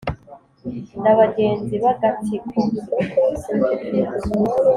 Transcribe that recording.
N'abagenzi b'agatsiko